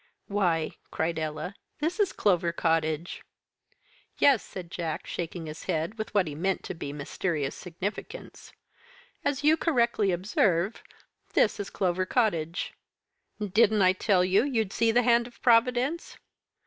"Why," cried Ella, "this is Clover Cottage!" "Yes," said Jack, shaking his head with what he meant to be mysterious significance, "as you correctly observe, this is Clover Cottage. Didn't I tell you you'd see the hand of Providence?